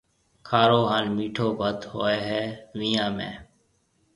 کارو هانَ مِٺو ڀت هوئي هيَ ويهان ۾۔